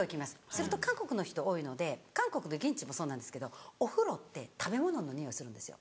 すると韓国の人多いので韓国現地もそうなんですけどお風呂って食べ物のにおいするんですよ。